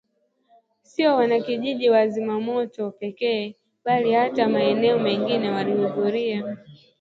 Sio wanakijiji wa Zimamoto pekee bali hata maeneo mengine walihudhuria